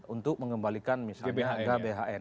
untuk mengembalikan misalnya gabhn